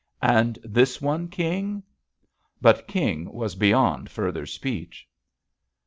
"And this one. King?" But King was be yond further speech.